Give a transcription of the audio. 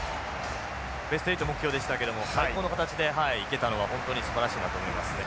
ベスト８目標でしたけども最高の形でいけたのが本当にすばらしいなと思いますね。